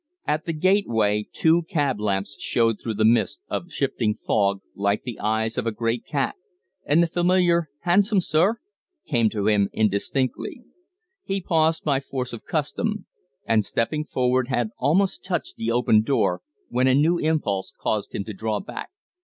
At the gate way two cab lamps showed through the mist of shifting fog like the eyes of a great cat, and the familiar "Hansom, sir?" came to him indistinctly. He paused by force of custom; and, stepping forward, had almost touched the open door when a new impulse caused him to draw back.